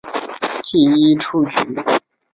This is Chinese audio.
记一出局。